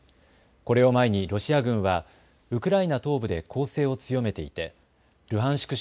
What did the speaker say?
これを前にロシア軍はウクライナ東部で攻勢を強めていてルハンシク